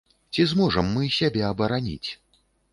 Ці зможам мы сябе абараніць?